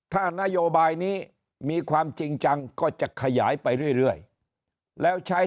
ถ้านโยบายนี้มีความจริงจังก็จะขยายไปเรื่อยแล้วใช้